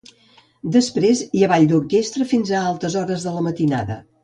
Després hi ha ball d'orquestra fins a altes hores de la matinada.